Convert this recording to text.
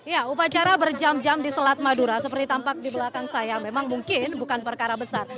ya upacara berjam jam di selat madura seperti tampak di belakang saya memang mungkin bukan perkara besar